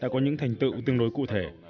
có những thành tựu tương đối cụ thể